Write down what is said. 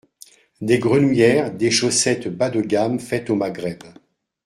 Des grenouillères, des chaussettes bas de gamme, faites au Maghreb